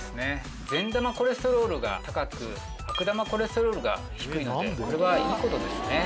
善玉コレステロールが高く悪玉コレステロールが低いのでこれはいいことですね。